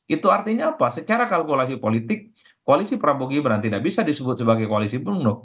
itu artinya apa secara kalkulasi politik koalisi prabowo gibran tidak bisa disebut sebagai koalisi penuh